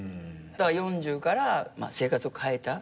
だから４０から生活を変えた。